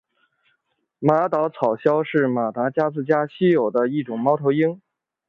马岛草鸮是马达加斯加稀有的一种猫头鹰。